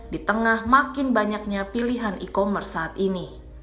di tengah makin banyaknya pilihan e commerce saat ini